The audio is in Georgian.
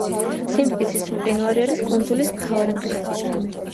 სიმტკიცის მყინვარი არის კუნძულის მთავარი მყინვარი.